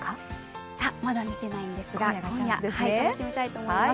まだ見てないんですが、今夜楽しみたいと思います。